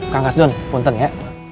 kang kasnun konten ya